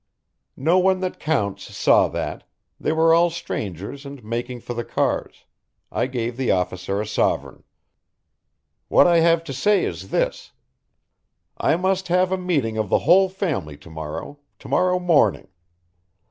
No one that counts saw that, they were all strangers and making for the cars I gave the officer a sovereign. What I have to say is this I must have a meeting of the whole family to morrow, to morrow morning.